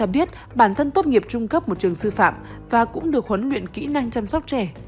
biết bản thân tốt nghiệp trung cấp một trường sư phạm và cũng được huấn luyện kỹ năng chăm sóc trẻ